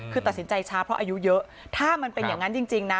คือตัดสินใจช้าเพราะอายุเยอะถ้ามันเป็นอย่างนั้นจริงนะ